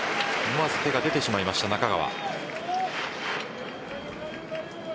思わず手が出てしまいました中川。